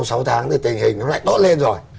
sau sáu tháng thì tình hình nó lại tốt lên rồi